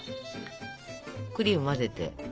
クリーム混ぜて。